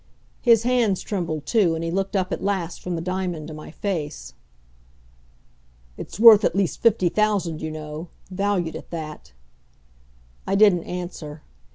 His hands trembled, too, and he looked up at last from the diamond to my face. "It's worth at least fifty thousand, you know valued at that." I didn't answer.